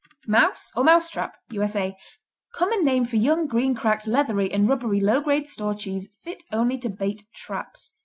Mouse or Mouse Trap U.S.A. Common name for young, green, cracked, leathery or rubbery low grade store cheese fit only to bait traps.